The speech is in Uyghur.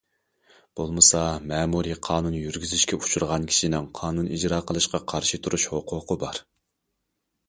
بولمىسا، مەمۇرىي قانۇن يۈرگۈزۈشكە ئۇچرىغان كىشىنىڭ قانۇن ئىجرا قىلىشقا قارشى تۇرۇش ھوقۇقى بار.